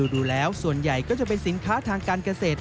ดูแล้วส่วนใหญ่ก็จะเป็นสินค้าทางการเกษตร